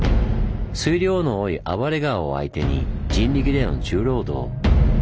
水量の多い暴れ川を相手に人力での重労働。